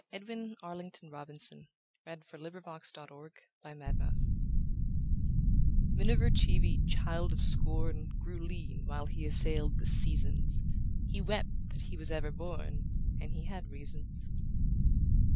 Edwin Arlington Robinson Miniver Cheevy MINIVER Cheevy, child of scorn, Grew lean while he assailed the seasons He wept that he was ever born, And he had reasons.